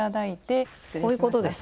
こういうことですね。